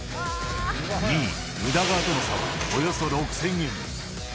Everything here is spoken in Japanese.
２位宇田川との差は、およそ６０００円。